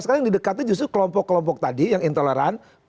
sekarang yang didekatkan justru kelompok kelompok tadi yang intoleransi